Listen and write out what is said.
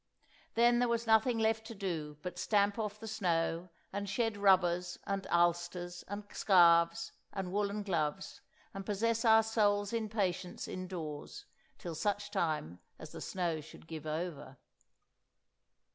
Then there was nothing left to do but to stamp off the snow, and shed rubbers, and ulsters, and scarfs, and woollen gloves, and possess our souls in patience indoors, till such time as the snow should give over.